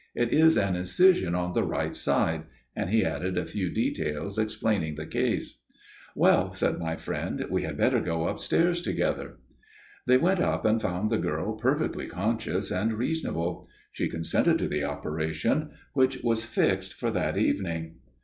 It is an incision in the right side,' and he added a few details explaining the case. "'Well,' said my friend, 'we had better go upstairs together.' "They went up and found the girl perfectly conscious and reasonable. She consented to the operation, which was fixed for that evening.